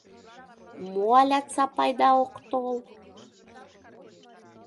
Мо, алят Сапайда ок тол...